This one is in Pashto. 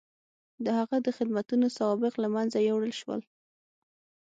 د هغه د خدمتونو سوابق له منځه یووړل شول.